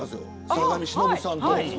坂上忍さんと。